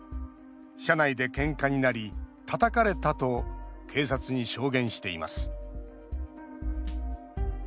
「車内でけんかになりたたかれた」と警察に証言しています。